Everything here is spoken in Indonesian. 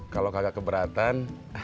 kalau kagak keberatan